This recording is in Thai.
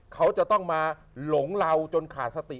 เขาจะต้องมาหลงเราจนขาดสติ